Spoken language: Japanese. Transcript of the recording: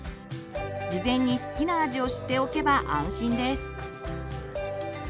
事前に好きな味を知っておけば安心です。